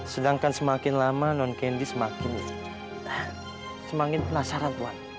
sedangkan semakin lama nonkendi semakin penasaran tuan